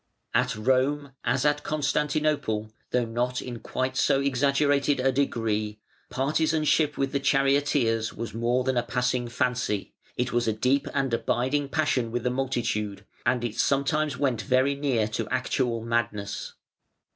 ] At Rome, as at Constantinople, though not in quite so exaggerated a degree, partisanship with the charioteers was more than a passing fancy; it was a deep and abiding passion with the multitude, and it sometimes went very near to actual madness.